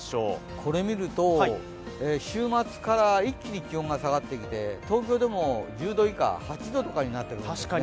これを見ると、週末から一気に気温が下がってきて、東京でも１０度以下、８度とかになってくるんですね。